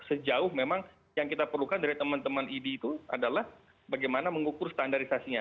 sejauh memang yang kita perlukan dari teman teman idi itu adalah bagaimana mengukur standarisasinya